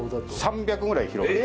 ３００ぐらい広がる。